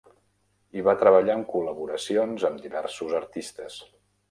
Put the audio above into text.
Hi va treballar en col·laboracions amb diversos artistes.